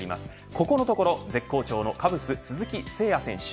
ここのところ絶好調のカブス鈴木誠也選手。